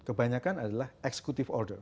kebanyakan adalah executive order